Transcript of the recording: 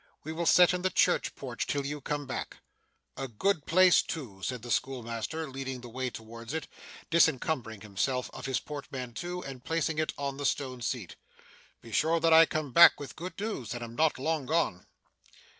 We will sit in the church porch till you come back.' 'A good place too,' said the schoolmaster, leading the way towards it, disencumbering himself of his portmanteau, and placing it on the stone seat. 'Be sure that I come back with good news, and am not long gone!